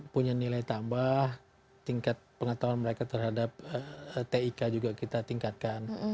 punya nilai tambah tingkat pengetahuan mereka terhadap tik juga kita tingkatkan